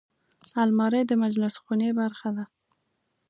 الماري د مجلس خونې برخه ده